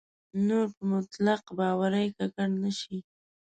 نور په مطلق باورۍ ککړ نه شي.